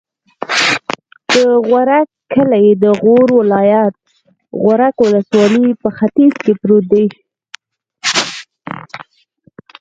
د غورک کلی د غور ولایت، غورک ولسوالي په ختیځ کې پروت دی.